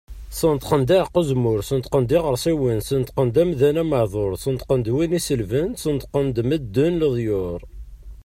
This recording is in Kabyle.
Sneṭqen-d aɛeqqa uzemmur, Sneṭqen-d iɣersiwen, Sneṭqen-d amdan ameɛdur, Sneṭqen-d win iselben, Sneṭqen-d medden leḍyur.